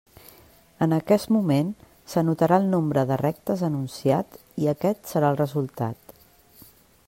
En aquest moment s'anotarà el nombre de rectes anunciat i aquest serà el resultat.